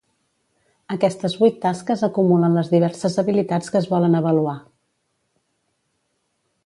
Aquestes vuit tasques acumulen les diverses habilitats que es volen avaluar.